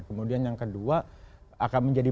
kemudian yang kedua akan menjadi